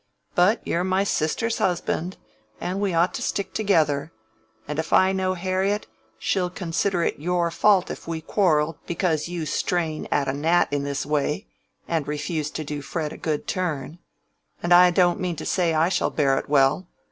But you're my sister's husband, and we ought to stick together; and if I know Harriet, she'll consider it your fault if we quarrel because you strain at a gnat in this way, and refuse to do Fred a good turn. And I don't mean to say I shall bear it well.